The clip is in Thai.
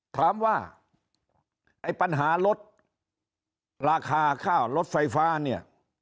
ถามว่าไอ้ปัญหาลดราคาค่ารถไฟฟ้าเนี่ย